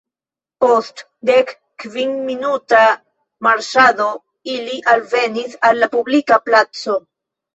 Post dekkvinminuta marŝado ili alvenis al la publika placo.